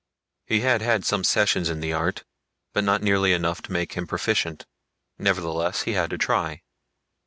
He had had some sessions in the art, but not nearly enough to make him proficient. Nevertheless he had to try.